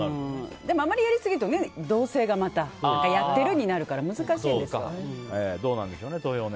でもあまりやりすぎると同性がまたやってるになるからどうなんですかね。